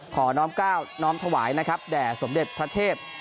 น้อมกล้าวน้อมถวายนะครับแด่สมเด็จพระเทพ